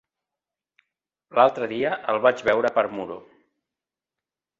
L'altre dia el vaig veure per Muro.